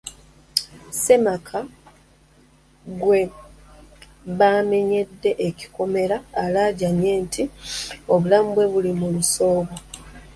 Ssemaka gwe baamenyedde ekikomera alaajanye nti obulamu bwe buli mu lusuubo.